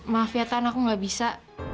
maaf ya tan aku nggak bisa